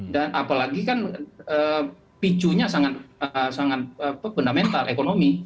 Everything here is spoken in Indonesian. dan apalagi kan picunya sangat benda mental ekonomi